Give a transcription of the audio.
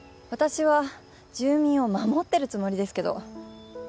私は住民を守っているつもりですけど。